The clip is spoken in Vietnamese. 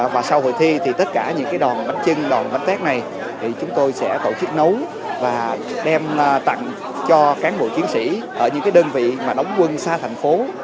và sau hội thi thì tất cả những đòn bánh trưng đòn bánh tết này thì chúng tôi sẽ tổ chức nấu và đem tặng cho cán bộ chiến sĩ ở những đơn vị mà đóng quân xa thành phố